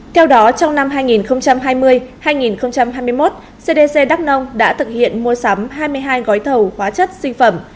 theo đó trong năm hai nghìn hai mươi hai nghìn hai mươi một cdc đắk nông đã thực hiện mua sắm hai mươi hai gói thầu hóa chất sinh phẩm